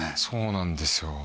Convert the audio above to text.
そうなんですよ